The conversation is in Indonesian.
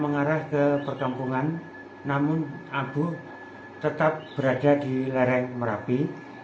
mengarah ke perkampungan namun abu tetap berada di lereng merapi